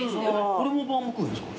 これもバウムクーヘンですか？